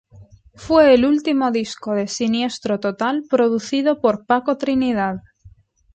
Fue el último disco de Siniestro Total producido por Paco Trinidad.